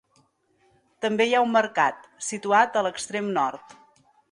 També hi ha un mercat, situat a l'extrem nord.